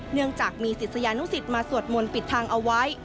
เนื่องจากมีศิษยานุสิตมาสวดมนต์ปิดทางเอาไว้